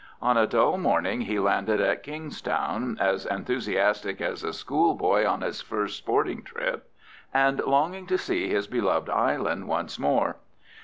On a dull morning he landed at Kingstown, as enthusiastic as a schoolboy on his first sporting trip, and longing to see his beloved island once more.